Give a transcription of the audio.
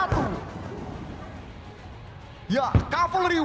kri sultan hasanuddin